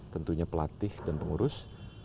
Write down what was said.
tentunya pelatih dan pengurus